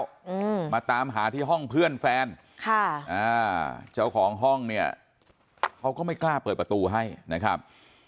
อืมมาตามหาที่ห้องเพื่อนแฟนค่ะอ่าเจ้าของห้องเนี่ยเขาก็ไม่กล้าเปิดประตูให้นะครับ